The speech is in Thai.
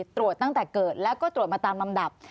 ตรวจตั้งแต่เกิดแล้วก็ตรวจมาตามลำดับ